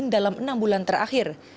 dalam enam bulan terakhir